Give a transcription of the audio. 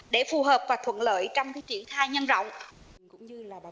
để phù hợp và thuận lợi trong triển khai nhân rộng